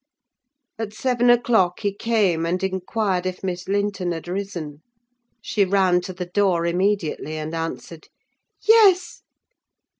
At seven o'clock he came, and inquired if Miss Linton had risen. She ran to the door immediately, and answered, "Yes."